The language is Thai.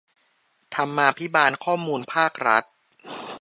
ธรรมาภิบาลข้อมูลภาครัฐ